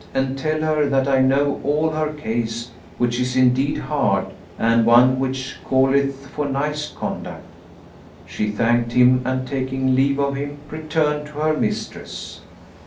and tell her that I know all her case which is indeed hard and one which calleth for nice conduct." She thanked him and taking leave of him, returned to her mistress.